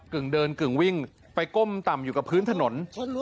เดินกึ่งวิ่งไปก้มต่ำอยู่กับพื้นถนน